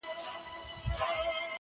تر شا خلک دلته وېره د زمري سوه،